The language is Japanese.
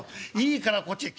いいからこっちへ」。